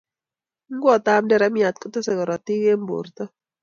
Ngwekab nderemiat kotesei korotik eng borto